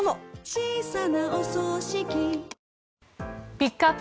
ピックアップ